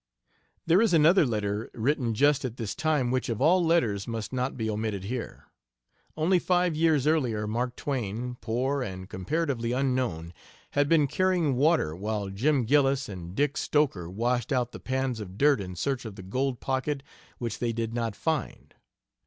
There is another letter written just at this time which of all letters must not be omitted here. Only five years earlier Mark Twain, poor, and comparatively unknown, had been carrying water while Jim Gillis and Dick Stoker washed out the pans of dirt in search of the gold pocket which they did not find.